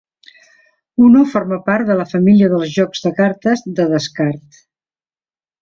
Uno forma part de la família dels jocs de cartes de descart.